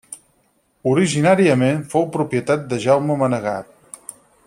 Originàriament fou propietat de Jaume Manegat.